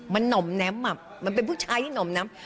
มันห่อมแน้มหมับมันเป็นผู้ชายที่หน่อมน้ำ